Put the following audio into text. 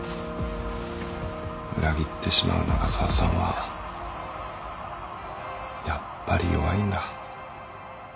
裏切ってしまう長澤さんはやっぱり弱いんだ。